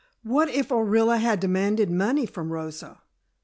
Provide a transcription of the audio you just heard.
What if Orilla had demanded money from Rosa?